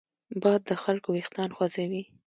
باد د خلکو وېښتان خوځوي